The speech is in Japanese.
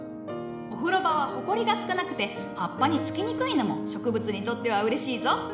お風呂場はホコリが少なくて葉っぱに付きにくいのも植物にとってはうれしいぞ。